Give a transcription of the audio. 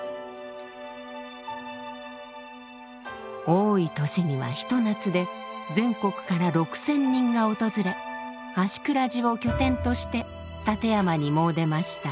多い年にはひと夏で全国から６，０００人が訪れ芦峅寺を拠点として立山に詣でました。